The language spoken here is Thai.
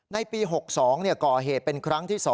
ในปี๖๒ก่อเหตุเป็นครั้งที่๒